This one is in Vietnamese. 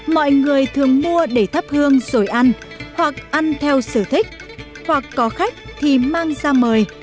mọi người thường mua để thắp hương rồi ăn hoặc ăn theo sở thích hoặc có khách thì mang ra mời